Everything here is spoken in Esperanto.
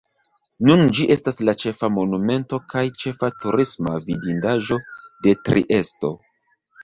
Nun ĝi estas la ĉefa Monumento kaj ĉefa turisma vidindaĵo de Triesto.